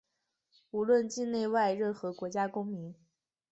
无论境内外、任何国家公民